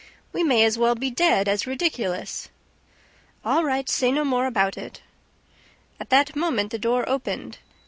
We may as well be dead as ridiculous!" "All right, say no more about it." At that moment the door opened.